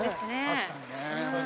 確かにね。